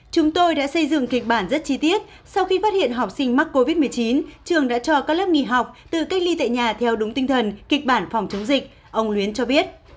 chúng tôi đã xây dựng kịch bản rất chi tiết sau khi phát hiện học sinh mắc covid một mươi chín trường đã cho các lớp nghỉ học tự cách ly tại nhà theo đúng tinh thần kịch bản phòng chống dịch ông luyến cho biết